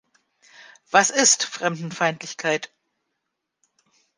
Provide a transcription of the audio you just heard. Was ist Fremdenfeindlichkeit?